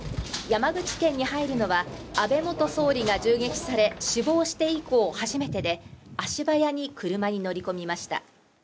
山口県に入るのは安倍元総理が銃撃され、死亡して以降初めてで、足早に車に乗り込みました。